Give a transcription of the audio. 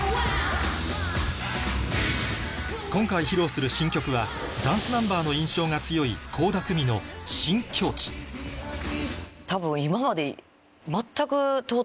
今回披露する新曲はダンスナンバーの印象が強い倖田來未の新境地多分今まで。